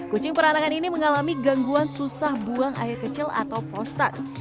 kucing peranakan ini mengalami gangguan susah buang air kecil atau prostat